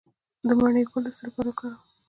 د مڼې ګل د څه لپاره وکاروم؟